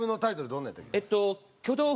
どんなやったっけ？